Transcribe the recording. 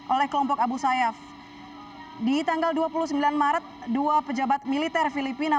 oleh kelompok abu sayyaf di tanggal dua puluh sembilan maret dua pejabat militer filipina